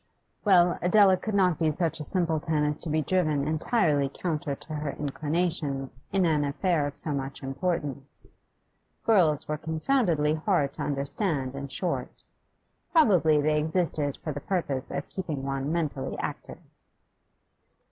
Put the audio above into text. Well, Adela could not be such a simpleton as to be driven entirely counter to her inclinations in an affair of so much importance. Girls were confoundedly hard to understand, in short; probably they existed for the purpose of keeping one mentally active.